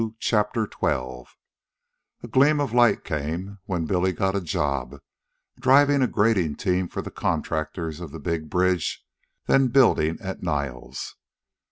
CHAPTER XII A gleam of light came, when Billy got a job driving a grading team for the contractors of the big bridge then building at Niles.